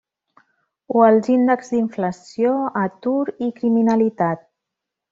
O els índexs d'inflació, atur i criminalitat?